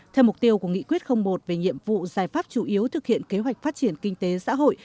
theo mục tiêu của nghị quyết một về nhiệm vụ giải pháp chủ yếu thực hiện kế hoạch phát triển kinh tế xã hội